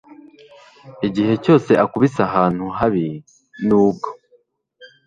igihe cyose ukubise ahantu habi, nubwo